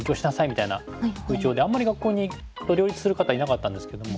みたいな風潮であんまり学校と両立する方いなかったんですけども。